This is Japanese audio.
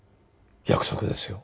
約束ですよ。